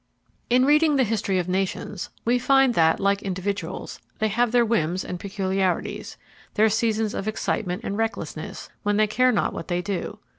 In reading the history of nations, we find that, like individuals, they have their whims and their peculiarities; their seasons of excitement and recklessness, when they care not what they do.